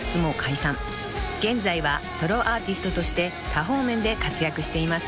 ［現在はソロアーティストとして多方面で活躍しています］